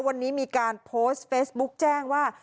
วันนี้มีการโพสต์เฟซบุ๊กแจ้งว่า